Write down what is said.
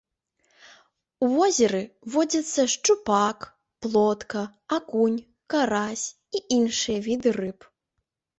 У возеры водзяцца шчупак, плотка, акунь, карась і іншыя віды рыб.